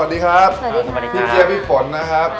สวัสดีครับสวัสดีครับพี่เจียวพี่ผลนะครับสวัสดีครับ